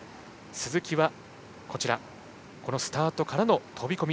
鈴木はスタート台からの飛び込み。